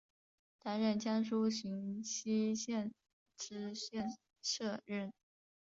担任江苏荆溪县知县摄任。